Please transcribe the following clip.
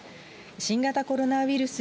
新型コロナウイルス